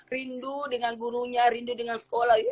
rindu dengan gurunya rindu dengan sekolah